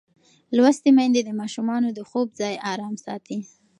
لوستې میندې د ماشومانو د خوب ځای ارام ساتي.